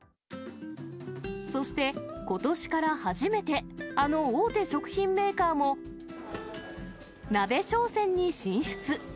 そしてことしから初めてあの大手食品メーカーも、鍋商戦に進出。